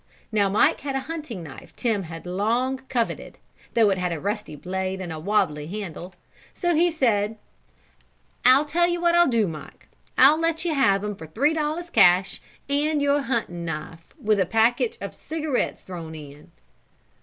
Now Mike had a hunting knife Tim had long coveted, though it had a rusty blade and a wobbly handle, so he said: "I'll tell you what I'll do, Mike. I'll let you have him for three dollars cash and your hunting knife with a package of cigarettes thrown in."